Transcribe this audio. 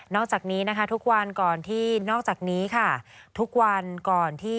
นอกจากนี้นะคะทุกวันก่อนที่